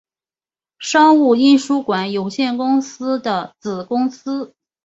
商务印书馆有限公司的子公司。